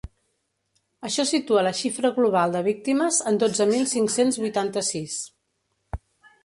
Això situa la xifra global de víctimes en dotze mil cinc-cents vuitanta-sis.